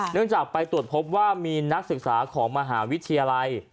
เนื่องจากไปตรวจพบว่ามีนักศึกษาของมหาวิทยาลัย